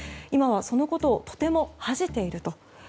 今はそのことをとても恥じていると。